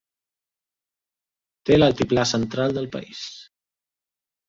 Té l'altiplà central del país.